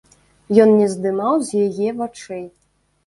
Ён не здымаў з яе вачэй.